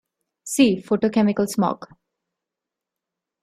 See photochemical smog.